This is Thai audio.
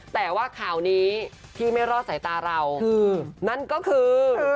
แต่ว่าข่าวนี้ที่ไม่รอดสายตาเราคือนั่นก็คือ